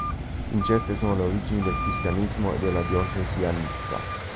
Incerte sono le origini del cristianesimo e della diocesi a Nizza.